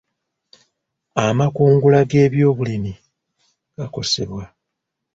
Amakungula g'ebyobulimi gakosebwa.